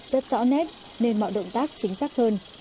rất rõ nét nên mọi động tác chính xác hơn